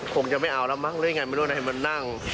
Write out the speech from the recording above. คงจะไม่เอาแล้วมั้งหรือยังไงไม่รู้ไหนมานั่ง